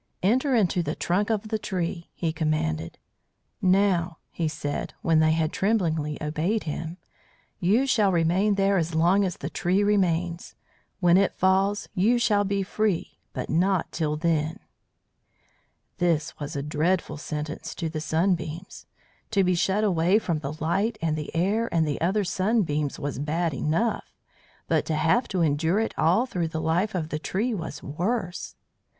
"Enter into the trunk of the tree," he commanded. "Now," he said, when they had tremblingly obeyed him, "you shall remain there as long as the tree remains. When it falls you shall be free, but not till then." This was a dreadful sentence to the Sunbeams. To be shut away from the light and the air and the other Sunbeams was bad enough, but to have to endure it all through the life of the tree was worse.